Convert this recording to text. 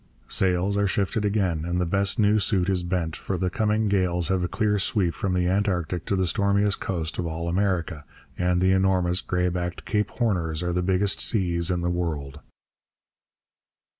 Sails are shifted again, and the best new suit is bent; for the coming gales have a clear sweep from the Antarctic to the stormiest coast of all America, and the enormous, grey backed Cape Horners are the biggest seas in the world.